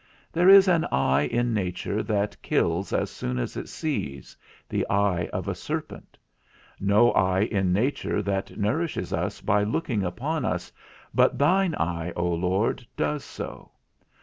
There is an eye in nature that kills as soon as it sees, the eye of a serpent; no eye in nature that nourishes us by looking upon us; but thine eye, O Lord, does so.